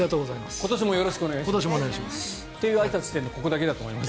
今年もよろしくお願いします。